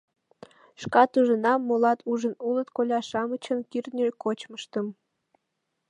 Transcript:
Шкат ужынам, молат ужын улыт коля-шамычын кӱртньӧ кочмыштым.